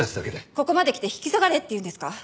ここまで来て引き下がれっていうんですか？